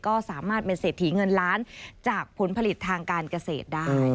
ก็สามารถเป็นเศรษฐีเงินล้านจากผลผลิตทางการเกษตรได้